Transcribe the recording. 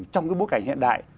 trong cái bối cảnh hiện đại